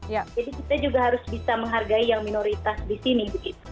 jadi kita juga harus bisa menghargai yang minoritas di sini